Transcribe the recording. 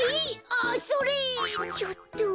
あっそれちょっと。